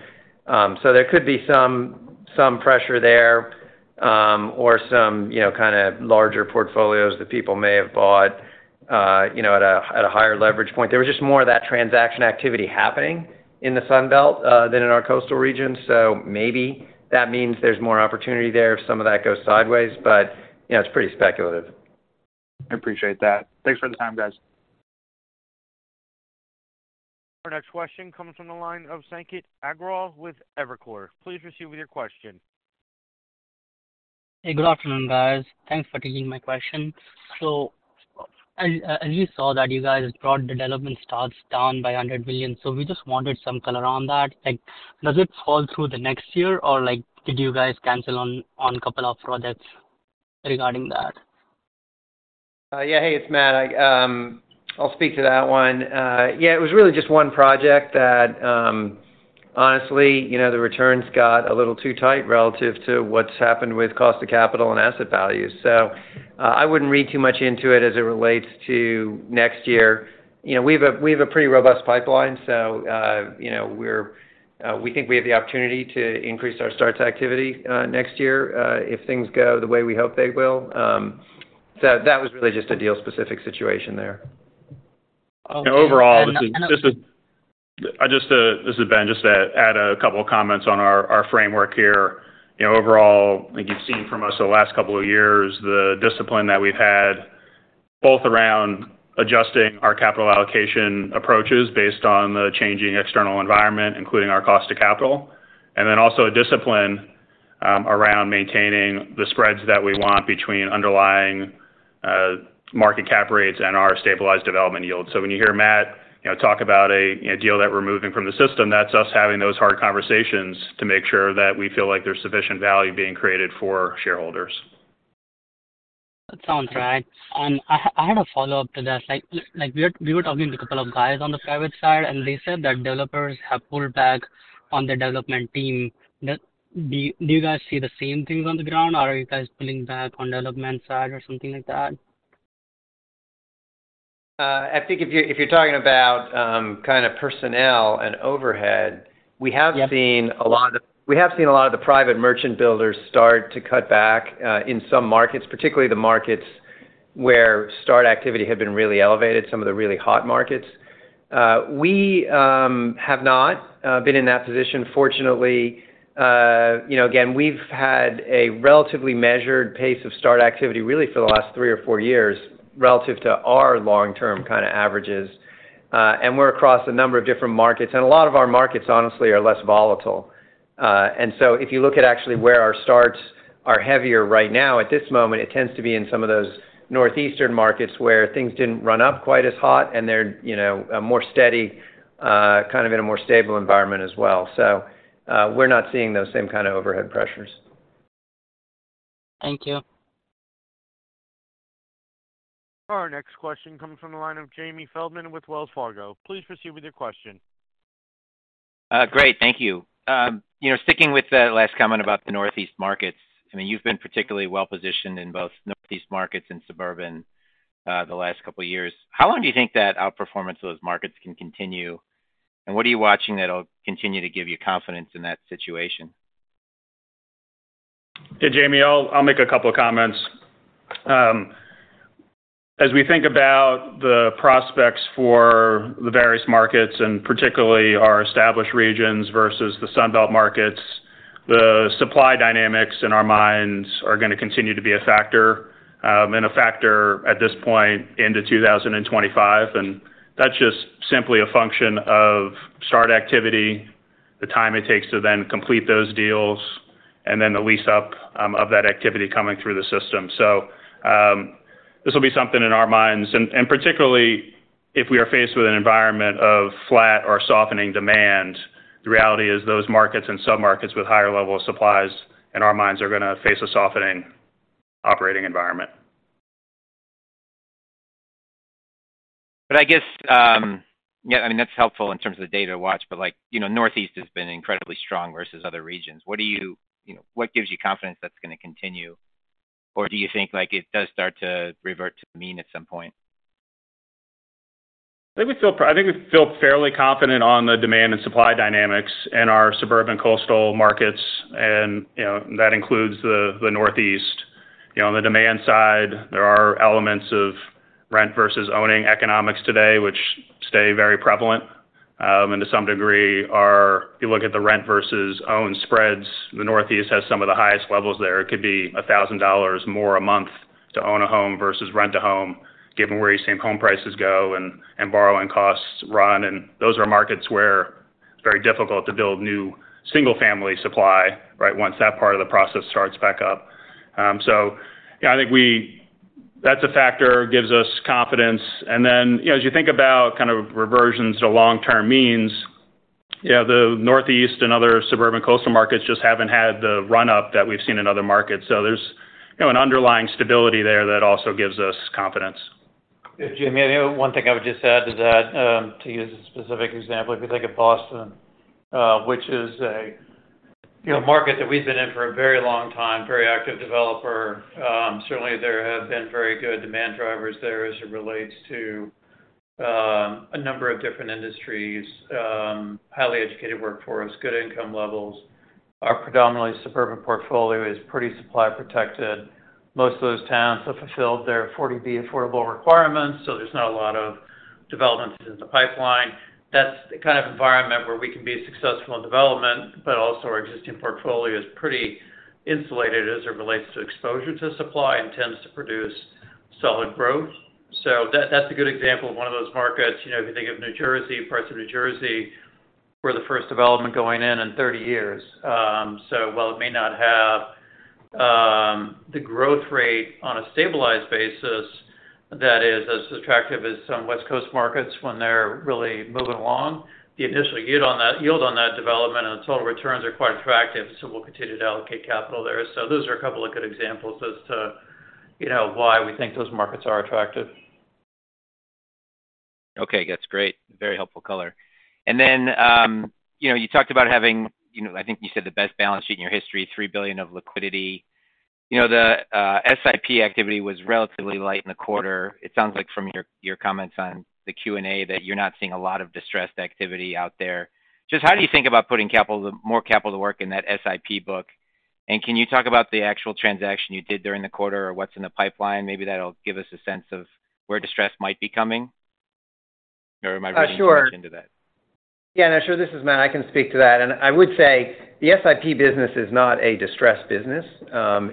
There could be some, some pressure there, or some, you know, kind of larger portfolios that people may have bought, you know, at a, at a higher leverage point. There was just more of that transaction activity happening in the Sun Belt, than in our coastal region, so maybe that means there's more opportunity there if some of that goes sideways, but, you know, it's pretty speculative. I appreciate that. Thanks for the time, guys. Our next question comes from the line of Sanket Agrawal with Evercore. Please proceed with your question. Hey, good afternoon, guys. Thanks for taking my question. As you saw, that you guys' broad development starts down by $100 million. We just wanted some color on that. Does it fall through the next year, or did you guys cancel on a couple of projects regarding that? Yeah. Hey, it's Matt. I, I'll speak to that one. Yeah, it was really just one project that, honestly, you know, the returns got a little too tight relative to what's happened with cost of capital and asset value. I wouldn't read too much into it as it relates to next year. You know, we have a, we have a pretty robust pipeline, so, you know, we're, we think we have the opportunity to increase our starts activity next year, if things go the way we hope they will. That was really just a deal-specific situation there. Overall, this is Ben. Just to add a couple of comments on our framework here. You know, overall, I think you've seen from us over the last couple of years, the discipline that we've had, both around adjusting our capital allocation approaches based on the changing external environment, including our cost of capital, and then also a discipline, around maintaining the spreads that we want between underlying market cap rates and our stabilized development yields. When you hear Matt, you know, talk about a, you know, deal that we're moving from the system, that's us having those hard conversations to make sure that we feel like there's sufficient value being created for shareholders. Sounds right. I had a follow-up to that. Like, we were talking to a couple of guys on the private side, and they said that developers have pulled back on their development team. Do you guys see the same things on the ground, or are you guys pulling back on development side or something like that? I think if you, if you're talking about, kind of personnel and overhead- Yep. We have seen a lot of the private merchant builders start to cut back in some markets, particularly the markets where start activity had been really elevated, some of the really hot markets. We have not been in that position, fortunately. You know, again, we've had a relatively measured pace of start activity, really, for the last three or four years, relative to our long-term kind of averages. And we're across a number of different markets, and a lot of our markets, honestly, are less volatile. If you look at actually where our starts are heavier right now, at this moment, it tends to be in some of those northeastern markets where things didn't run up quite as hot and they're, you know, a more steady, kind of in a more stable environment as well. We're not seeing those same kind of overhead pressures. Thank you. Our next question comes from the line of Jamie Feldman with Wells Fargo. Please proceed with your question. Great. Thank you. You know, sticking with the last comment about the northeast markets, I mean, you've been particularly well-positioned in both northeast markets and suburban, the last couple of years. How long do you think that outperformance of those markets can continue? What are you watching that'll continue to give you confidence in that situation? Hey, Jamie, I'll, I'll make a couple of comments. As we think about the prospects for the various markets, and particularly our established regions versus the Sun Belt markets, the supply dynamics in our minds are gonna continue to be a factor, and a factor at this point into 2025. That's just simply a function of start activity, the time it takes to then complete those deals, and then the lease-up of that activity coming through the system. This will be something in our minds, and, and particularly if we are faced with an environment of flat or softening demand, the reality is those markets and submarkets with higher level of supplies, in our minds, are gonna face a softening operating environment. I guess, yeah, I mean, that's helpful in terms of the data watch, but like, you know, northeast has been incredibly strong versus other regions. You know, what gives you confidence that's gonna continue? Or do you think, like, it does start to revert to mean at some point? I think we feel I think we feel fairly confident on the demand and supply dynamics in our suburban coastal markets, you know, that includes the, the northeast. You know, on the demand side, there are elements of rent versus owning economics today, which stay very prevalent. To some degree, if you look at the rent versus own spreads, the northeast has some of the highest levels there. It could be $1,000 more a month to own a home versus rent a home, given where you've seen home prices go and, and borrowing costs run. Those are markets where it's very difficult to build new single-family supply, right, once that part of the process starts back up. Yeah, I think that's a factor that gives us confidence. And then you know, as you think about kind of reversions to long-term means, yeah, the northeast and other suburban coastal markets just haven't had the run-up that we've seen in other markets. There's, you know, an underlying stability there that also gives us confidence. Yeah, Jamie, I think one thing I would just add to that, to use a specific example, if you think of Boston, which is a, you know, market that we've been in for a very long time, very active developer, certainly there have been very good demand drivers there as it relates to a number of different industries, highly educated workforce, good income levels. Our predominantly suburban portfolio is pretty supply protected. Most of those towns have fulfilled their 40B affordable requirements, so there's not a lot of developments in the pipeline. That's the kind of environment where we can be successful in development, but also our existing portfolio is pretty insulated as it relates to exposure to supply and tends to produce solid growth. That, that's a good example of one of those markets. You know, if you think of New Jersey, parts of New Jersey, we're the first development going in in 30 years. While it may not have the growth rate on a stabilized basis that is as attractive as some West Coast markets when they're really moving along, the initial yield on that, yield on that development and the total returns are quite attractive, we'll continue to allocate capital there. Those are a couple of good examples as to, you know, why we think those markets are attractive. Okay, that's great. Very helpful color. You know, you talked about having, you know, I think you said the best balance sheet in your history, $3 billion of liquidity. You know, the SIP activity was relatively light in the quarter. It sounds like from your, your comments on the Q&A, that you're not seeing a lot of distressed activity out there. Just how do you think about putting capital, more capital to work in that SIP book? Can you talk about the actual transaction you did during the quarter or what's in the pipeline? Maybe that'll give us a sense of where distress might be coming. Oh, sure. Yeah, sure. This is Matt, I can speak to that. I would say the SIP business is not a distressed business.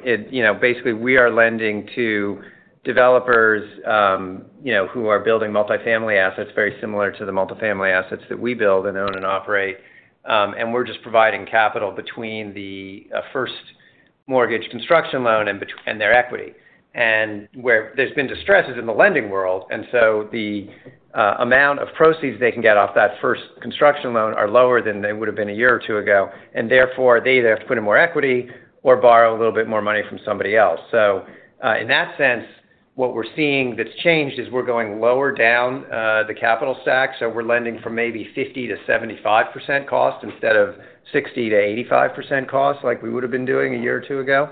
It, you know, basically, we are lending to developers, you know, who are building multifamily assets, very similar to the multifamily assets that we build and own and operate. We're just providing capital between the first mortgage construction loan and their equity. Where there's been distress is in the lending world, so the amount of proceeds they can get off that first construction loan are lower than they would have been a year or two ago, and therefore, they either have to put in more equity or borrow a little bit more money from somebody else. In that sense, what we're seeing that's changed is we're going lower down the capital stack. We're lending from maybe 50%-75% cost instead of 60%-85% cost, like we would have been doing a year or two ago.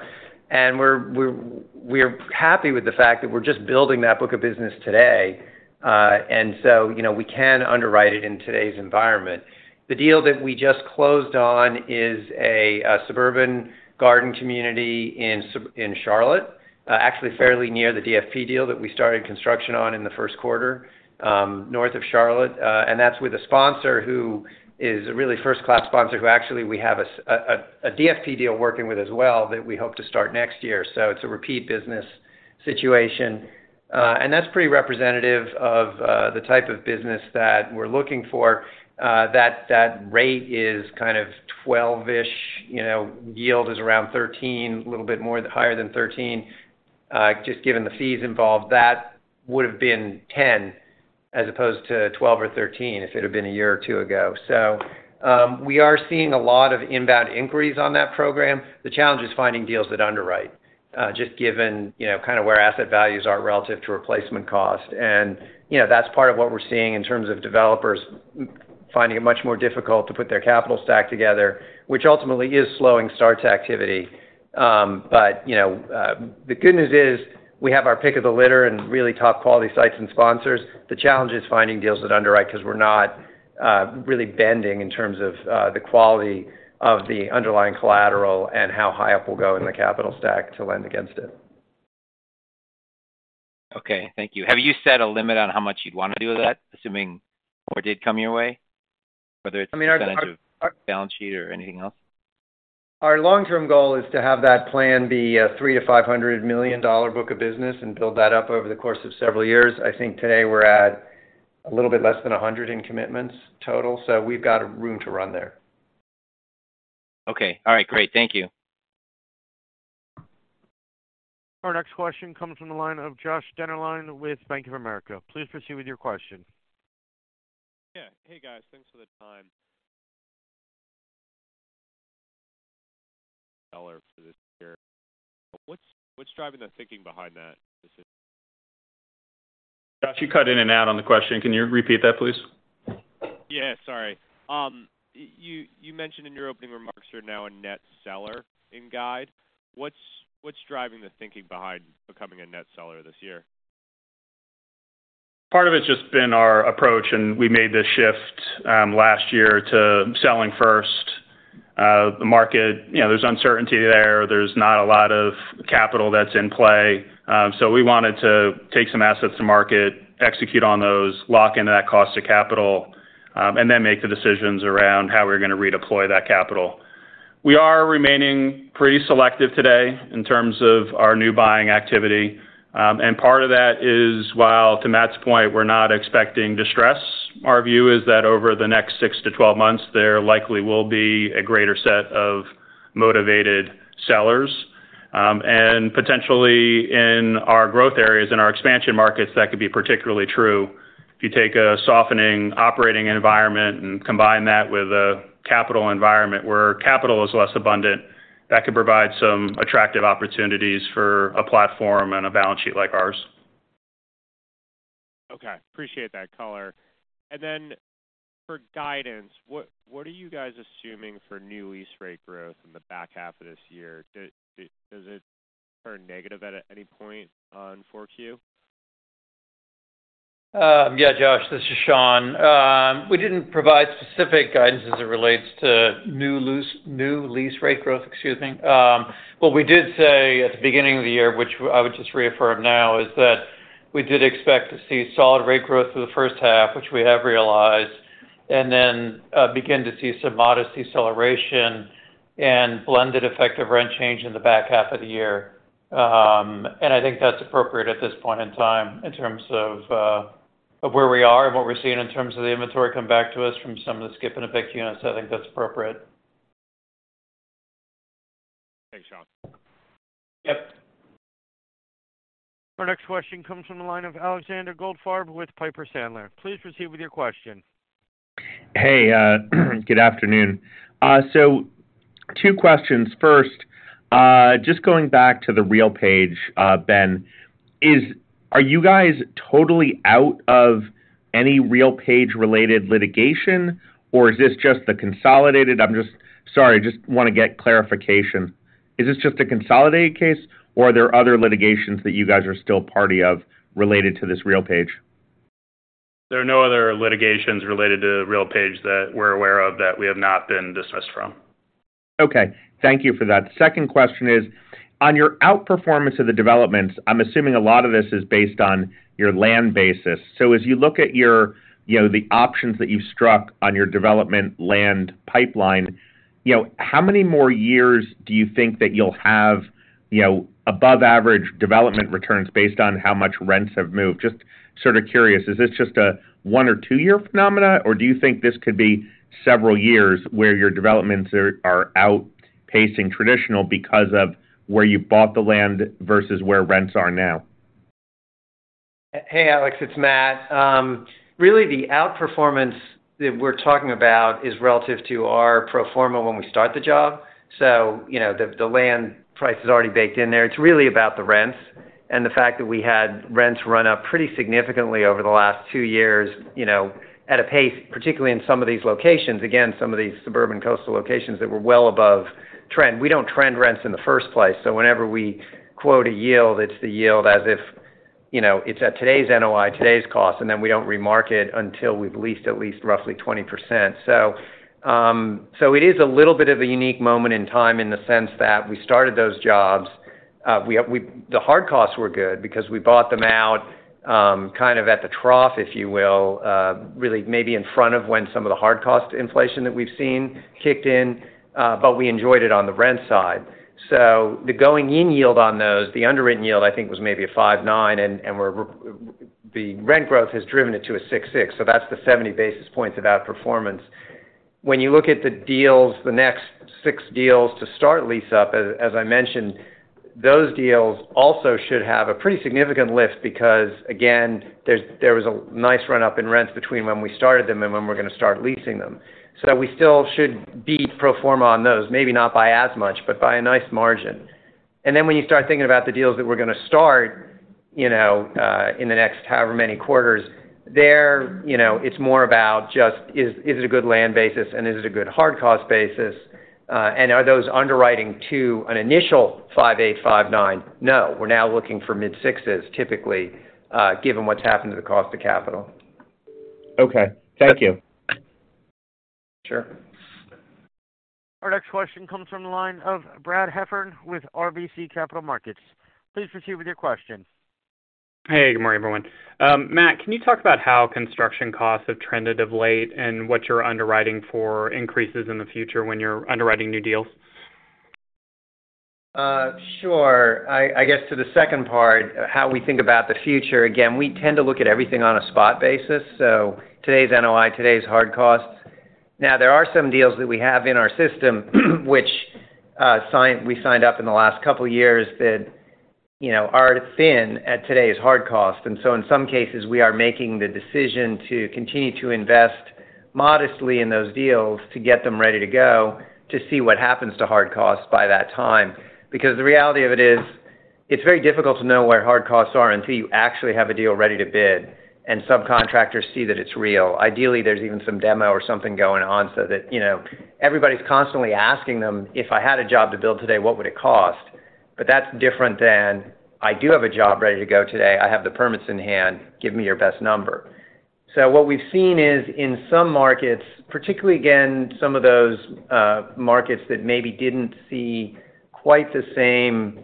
We're, we're, we're happy with the fact that we're just building that book of business today. You know, we can underwrite it in today's environment. The deal that we just closed on is a suburban garden community in Charlotte, actually fairly near the DFP deal that we started construction on in the first quarter, north of Charlotte. That's with a sponsor who is a really first-class sponsor, who actually we have a DFP deal working with as well, that we hope to start next year. It's a repeat business situation. That's pretty representative of the type of business that we're looking for. That, that rate is kind of 12-ish, you know, yield is around 13, a little bit more higher than 13. Just given the fees involved, that would have been 10 as opposed to 12 or 13 if it had been a year or two ago. We are seeing a lot of inbound inquiries on that program. The challenge is finding deals that underwrite, just given, you know, kind of where asset values are relative to replacement cost. You know, that's part of what we're seeing in terms of developers finding it much more difficult to put their capital stack together, which ultimately is slowing starts activity. You know, the good news is, we have our pick of the litter and really top quality sites and sponsors. The challenge is finding deals that underwrite, 'cause we're not really bending in terms of the quality of the underlying collateral and how high up we'll go in the capital stack to lend against it. Okay, thank you. Have you set a limit on how much you'd want to do with that, assuming more did come your way, whether it's- I mean, our... balance sheet or anything else? Our long-term goal is to have that plan be a $300 million-$500 million book of business and build that up over the course of several years. I think today we're at a little bit less than $100 million in commitments total, so we've got room to run there. Okay. All right, great. Thank you. Our next question comes from the line of Josh Dennerlein with Bank of America. Please proceed with your question. Yeah. Hey, guys. Thanks for the time. Seller for this year. What's, what's driving the thinking behind that decision? Josh, you cut in and out on the question. Can you repeat that, please? Yeah, sorry. you, you mentioned in your opening remarks you're now a net seller in guide. What's, what's driving the thinking behind becoming a net seller this year? Part of it's just been our approach, and we made this shift last year to selling first, the market. You know, there's uncertainty there. There's not a lot of capital that's in play. We wanted to take some assets to market, execute on those, lock into that cost of capital, and then make the decisions around how we're gonna redeploy that capital. We are remaining pretty selective today in terms of our new buying activity. Part of that is, while to Matt's point, we're not expecting distress, our view is that over the next 6-12 months, there likely will be a greater set of motivated sellers. Potentially in our growth areas, in our expansion markets, that could be particularly true. If you take a softening operating environment and combine that with a capital environment where capital is less abundant, that could provide some attractive opportunities for a platform and a balance sheet like ours. Okay, appreciate that color. Then for guidance, what, what are you guys assuming for new lease rate growth in the back half of this year? Does it turn negative at, at any point on 4Q? Yeah, Josh, this is Sean. We didn't provide specific guidance as it relates to new lease rate growth, excuse me. What we did say at the beginning of the year, which I would just reaffirm now, is that we did expect to see solid rate growth through the first half, which we have realized, and then begin to see some modest deceleration and blended effective rent change in the back half of the year. I think that's appropriate at this point in time in terms of where we are and what we're seeing in terms of the inventory come back to us from some of the skips and evicts units. I think that's appropriate. Thanks, Sean. Yep. Our next question comes from the line of Alexander Goldfarb with Piper Sandler. Please proceed with your question. Hey, good afternoon. Two questions. First, just going back to the RealPage, Ben, are you guys totally out of any RealPage-related litigation, or is this just the consolidated? Sorry, I just wanna get clarification. Is this just a consolidated case, or are there other litigations that you guys are still party of related to this RealPage? There are no other litigations related to RealPage that we're aware of that we have not been dismissed from. Okay, thank you for that. Second question is, on your outperformance of the developments, I'm assuming a lot of this is based on your land basis. As you look at your, you know, the options that you've struck on your development land pipeline, you know, how many more years do you think that you'll have, you know, above average development returns based on how much rents have moved? Just sort of curious, is this just a one or two-year phenomena, or do you think this could be several years where your developments are, are outpacing traditional because of where you bought the land versus where rents are now? Hey, Alex, it's Matt. Really, the outperformance that we're talking about is relative to our pro forma when we start the job. You know, the, the land price is already baked in there. It's really about the rents and the fact that we had rents run up pretty significantly over the last two years, you know, at a pace, particularly in some of these locations, again, some of these suburban coastal locations that were well above trend. We don't trend rents in the first place, so whenever we quote a yield, it's the yield as if, you know, it's at today's NOI, today's cost, and then we don't remark it until we've leased at least roughly 20%. It is a little bit of a unique moment in time in the sense that we started those jobs, we, the hard costs were good because we bought them out, kind of at the trough, if you will, really maybe in front of when some of the hard cost inflation that we've seen kicked in, but we enjoyed it on the rent side. The going-in yield on those, the underwritten yield, I think, was maybe a 5.9%, the rent growth has driven it to a 6.6%, so that's the 70 basis points of outperformance. When you look at the deals, the next six deals to start lease up, as I mentioned, those deals also should have a pretty significant lift because, again, there's, there was a nice run-up in rents between when we started them and when we're going to start leasing them. We still should beat pro forma on those, maybe not by as much, but by a nice margin. Then when you start thinking about the deals that we're going to start, you know, in the next however many quarters, there, you know, it's more about just is, is it a good land basis and is it a good hard cost basis, and are those underwriting to an initial 5.8%, 5.9%? No, we're now looking for mid-sixes, typically, given what's happened to the cost of capital. Okay, thank you. Sure. Our next question comes from the line of Brad Heffern with RBC Capital Markets. Please proceed with your question. Hey, good morning, everyone. Matt, can you talk about how construction costs have trended of late and what you're underwriting for increases in the future when you're underwriting new deals? Sure. I, I guess to the second part, how we think about the future, again, we tend to look at everything on a spot basis, so today's NOI, today's hard costs. Now, there are some deals that we have in our system, which, we signed up in the last couple of years that, you know, are thin at today's hard cost. So in some cases, we are making the decision to continue to invest modestly in those deals to get them ready to go to see what happens to hard costs by that time. Because the reality of it is, it's very difficult to know where hard costs are until you actually have a deal ready to bid and subcontractors see that it's real. Ideally, there's even some demo or something going on so that, you know, everybody's constantly asking them: If I had a job to build today, what would it cost? That's different than, "I do have a job ready to go today. I have the permits in hand. Give me your best number." What we've seen is in some markets, particularly, again, some of those markets that maybe didn't see quite the same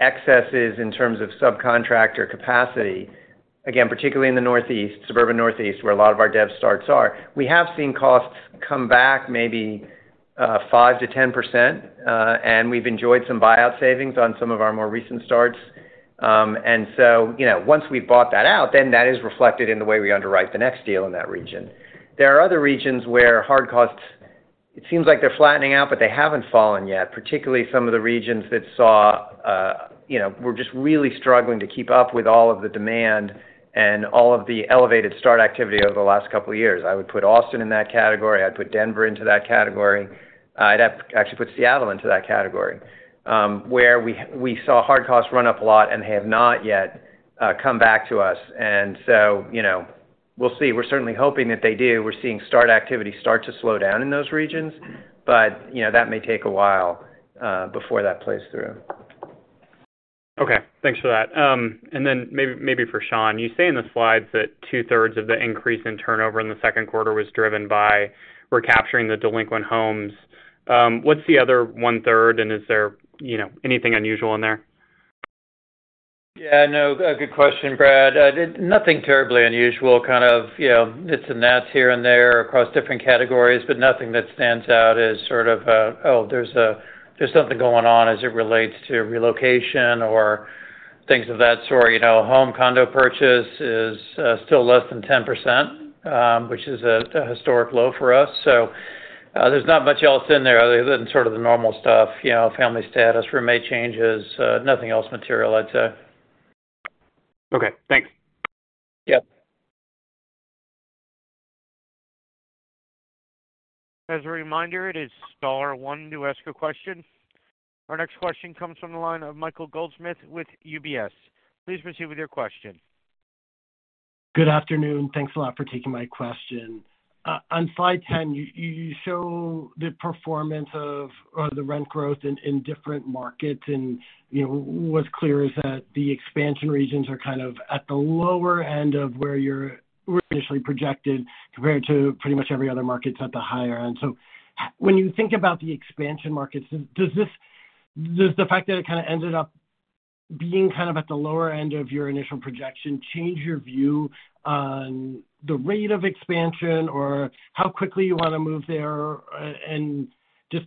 excesses in terms of subcontractor capacity, again, particularly in the northeast, suburban northeast, where a lot of our dev starts are, we have seen costs come back maybe 5%-10%, and we've enjoyed some buyout savings on some of our more recent starts. So, you know, once we bought that out, then that is reflected in the way we underwrite the next deal in that region. There are other regions where hard costs, it seems like they're flattening out, but they haven't fallen yet, particularly some of the regions that saw, you know, we're just really struggling to keep up with all of the demand and all of the elevated start activity over the last couple of years. I would put Austin in that category. I'd put Denver into that category. I'd have actually put Seattle into that category, where we, we saw hard costs run up a lot and have not yet, come back to us. You know, we'll see. We're certainly hoping that they do. We're seeing start activity start to slow down in those regions, but, you know, that may take a while, before that plays through. Okay, thanks for that. Maybe for Sean, you say in the slides that two-thirds of the increase in turnover in the second quarter was driven by recapturing the delinquent homes. What's the other one-third, and is there, you know, anything unusual in there? Yeah, no, a good question, Brad. nothing terribly unusual, kind of, you know, this and that here and there across different categories, but nothing that stands out as sort of, there's something going on as it relates to relocation or things of that sort. You know, home condo purchase is still less than 10%, which is a, a historic low for us. there's not much else in there other than sort of the normal stuff, you know, family status, roommate changes, nothing else material, I'd say. Okay, thanks. Yep. As a reminder, it is star 1 to ask a question. Our next question comes from the line of Michael Goldsmith with UBS. Please proceed with your question. Good afternoon. Thanks a lot for taking my question. On slide 10, you, you show the performance of, or the rent growth in, in different markets, and, you know, what's clear is that the expansion regions are kind of at the lower end of where you're initially projected, compared to pretty much every other markets at the higher end. When you think about the expansion markets, does the fact that it kind of ended up being kind of at the lower end of your initial projection, change your view on the rate of expansion or how quickly you want to move there? Just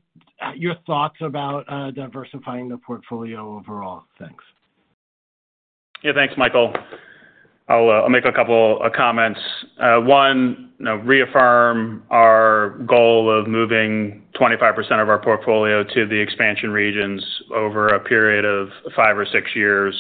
your thoughts about diversifying the portfolio overall. Thanks. Yeah, thanks, Michael. I'll, I'll make a couple of comments. One, you know, reaffirm our goal of moving 25% of our portfolio to the expansion regions over a period of five or six years.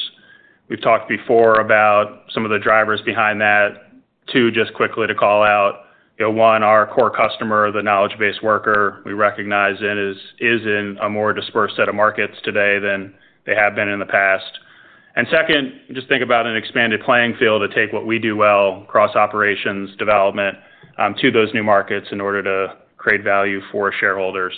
We've talked before about some of the drivers behind that. Two, just quickly to call out, you know, one, our core customer, the knowledge-based worker, we recognize it is, is in a more dispersed set of markets today than they have been in the past. Second, just think about an expanded playing field to take what we do well, cross operations, development, to those new markets in order to create value for shareholders.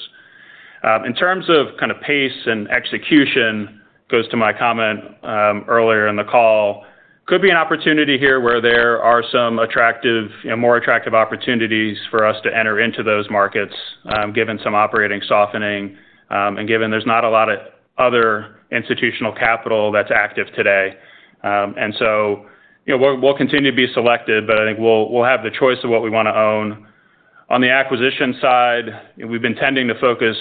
In terms of kind of pace and execution, goes to my comment earlier in the call. Could be an opportunity here where there are some attractive, you know, more attractive opportunities for us to enter into those markets, given some operating softening, and given there's not a lot of other institutional capital that's active today. You know, we'll, we'll continue to be selected, but I think we'll, we'll have the choice of what we want to own. On the acquisition side, we've been tending to focus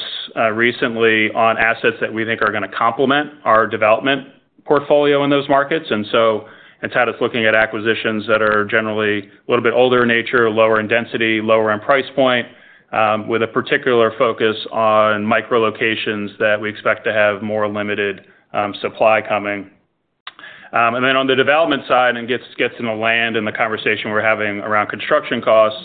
recently on assets that we think are going to complement our development portfolio in those markets. It's had us looking at acquisitions that are generally a little bit older in nature, lower in density, lower in price point, with a particular focus on micro locations that we expect to have more limited supply coming. On the development side, gets into land and the conversation we're having around construction costs,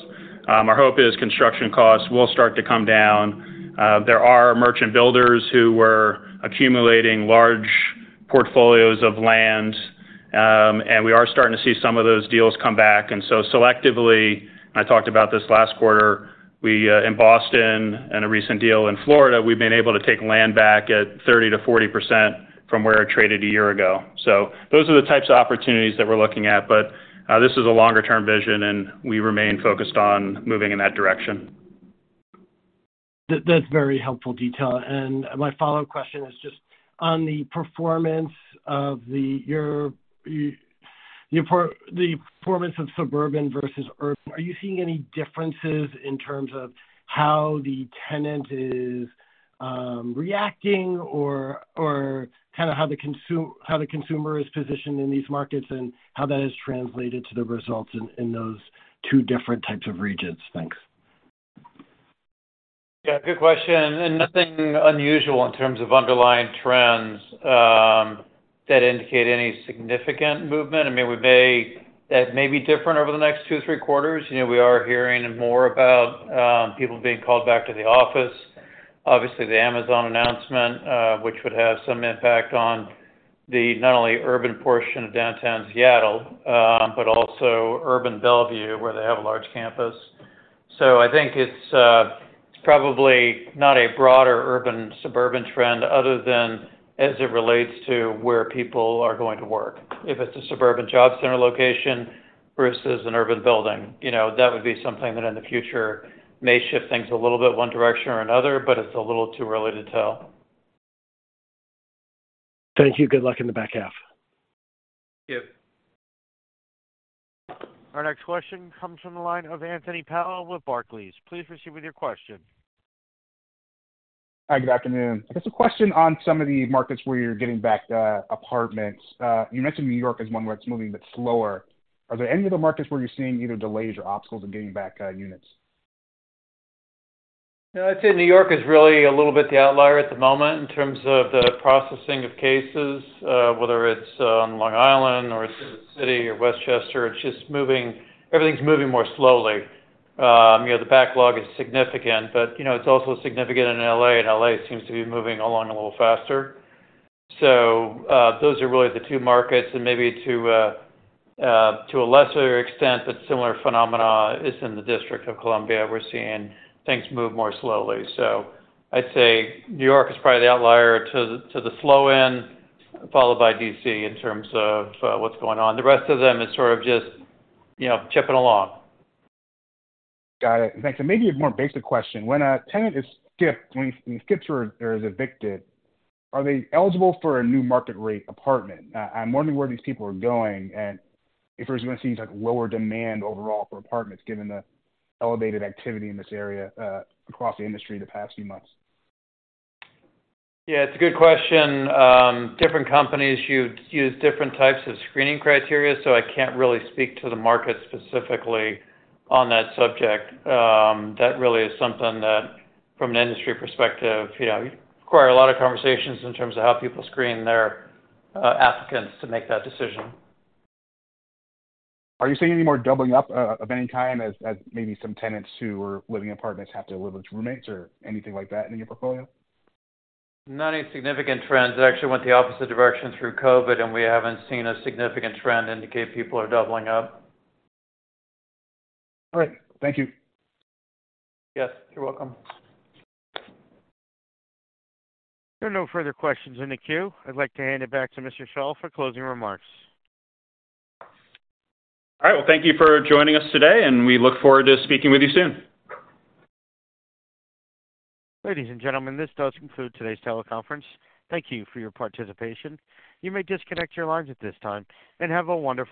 our hope is construction costs will start to come down. There are merchant builders who were accumulating large portfolios of land, we are starting to see some of those deals come back. Selectively, and I talked about this last quarter, we, in Boston and a recent deal in Florida, we've been able to take land back at 30%-40% from where it traded a year ago. Those are the types of opportunities that we're looking at, but, this is a longer-term vision, and we remain focused on moving in that direction. That's very helpful detail. My follow-up question is just on the performance of suburban versus urban, are you seeing any differences in terms of how the tenant is reacting or, or kind of how the consumer is positioned in these markets, and how that has translated to the results in, in those two different types of regions? Thanks. Yeah, good question. Nothing unusual in terms of underlying trends, that indicate any significant movement. I mean, we may... That may be different over the next two, three quarters. You know, we are hearing more about people being called back to the office. Obviously, the Amazon announcement, which would have some impact on the not only urban portion of downtown Seattle, but also urban Bellevue, where they have a large campus. I think it's, it's probably not a broader urban, suburban trend other than as it relates to where people are going to work. If it's a suburban job center location versus an urban building, you know, that would be something that in the future may shift things a little bit one direction or another, but it's a little too early to tell. Thank you. Good luck in the back half. Thank you. Our next question comes from the line of Anthony Powell with Barclays. Please proceed with your question. Hi, good afternoon. Just a question on some of the markets where you're getting back apartments. You mentioned New York as one where it's moving a bit slower. Are there any other markets where you're seeing either delays or obstacles in getting back units? Yeah, I'd say New York is really a little bit the outlier at the moment in terms of the processing of cases, whether it's on Long Island or it's in the city or Westchester. It's just everything's moving more slowly. You know, the backlog is significant, but, you know, it's also significant in L.A., and L.A. seems to be moving along a little faster. Those are really the two markets, and maybe to a lesser extent, but similar phenomena, is in the District of Columbia. We're seeing things move more slowly. I'd say New York is probably the outlier to the, to the slow end, followed by D.C. in terms of what's going on. The rest of them is sort of just, you know, chipping along. Got it. Thanks. Maybe a more basic question: when a tenant is skipped, when he skips or is evicted, are they eligible for a new market rate apartment? I'm wondering where these people are going, and if there's going to see, like, lower demand overall for apartments, given the elevated activity in this area, across the industry in the past few months. Yeah, it's a good question. Different companies use, use different types of screening criteria, so I can't really speak to the market specifically on that subject. That really is something that, from an industry perspective, you know, require a lot of conversations in terms of how people screen their applicants to make that decision. Are you seeing any more doubling up of any kind as, as maybe some tenants who are living in apartments have to live with roommates or anything like that in your portfolio? Not any significant trends. It actually went the opposite direction through COVID, and we haven't seen a significant trend indicate people are doubling up. All right. Thank you. Yes, you're welcome. There are no further questions in the queue. I'd like to hand it back to Mr. Schall for closing remarks. All right. Well, thank you for joining us today, and we look forward to speaking with you soon. Ladies and gentlemen, this does conclude today's teleconference. Thank you for your participation. You may disconnect your lines at this time, and have a wonderful day.